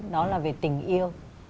đó là về tình yêu